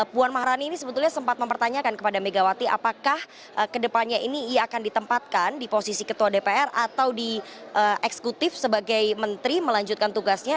puan maharani ini sebetulnya sempat mempertanyakan kepada megawati apakah kedepannya ini ia akan ditempatkan di posisi ketua dpr atau di eksekutif sebagai menteri melanjutkan tugasnya